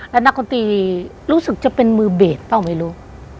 แล้วนักดนตรีรู้สึกจะเป็นมือเบสเปล่าไม่รู้